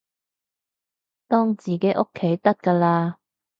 當自己屋企得㗎喇